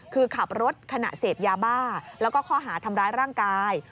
คือขับรถขณะเสพยาบ้าแล้วก็ข้อหาทำร้ายร่างกาย